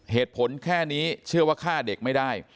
เหตุผลแค่นี้เชื่อว่าฆ่าเด็กไม่ได้